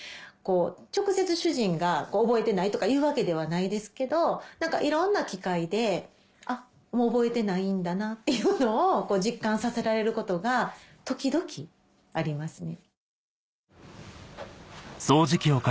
直接主人が「覚えてない」とか言うわけではないですけど何かいろんな機会でもう覚えてないんだなっていうのを実感させられることが時々ありますね。